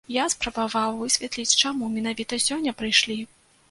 Я спрабаваў высветліць чаму менавіта сёння прыйшлі.